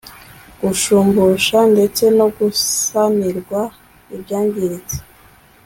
gushumbushwa ndetse no gusanirwa ibyangiritse